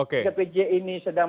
kpj ini sedang